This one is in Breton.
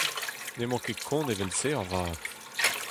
N'emañ ket kont evel-se avat.